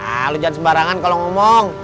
ah lu jangan sembarangan kalau ngomong